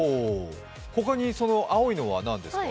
ほかに青いのは何ですか？